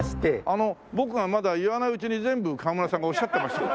あの僕がまだ言わないうちに全部川村さんがおっしゃってました。